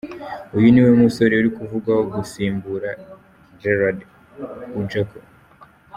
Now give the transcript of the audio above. Uyu ni we musore uri kuvugwaho gusimbura Gerald Ojok.